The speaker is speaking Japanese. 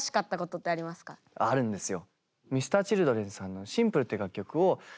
あるんですよ。